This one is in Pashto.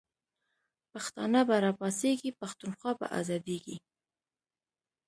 پښتانه به را پاڅیږی، پښتونخوا به آزادیږی